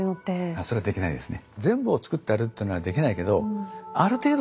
それはできないですね。